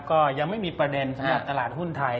ก็ยังไม่มีประเด็นสำหรับตลาดหุ้นไทย